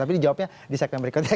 tapi ini jawabnya di segmen berikutnya